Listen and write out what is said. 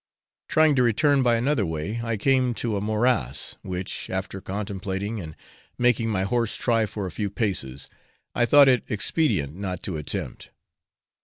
Trying to return by another way, I came to a morass, which, after contemplating, and making my horse try for a few paces, I thought it expedient not to attempt.